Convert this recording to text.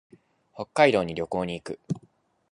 北海道に旅行に行く。